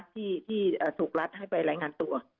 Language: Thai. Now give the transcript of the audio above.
ที่ถูกรัฐให้ไปรายงานตัว